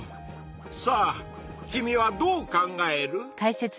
さあ君はどう考える？